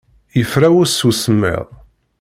Yefrawes seg usemmiḍ.